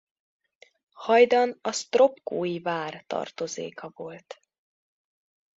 Hajdan a sztropkói vár tartozéka volt.